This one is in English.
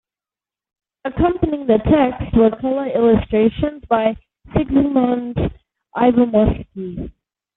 Accompanying the text were color illustrations by Sigismond Ivanowski.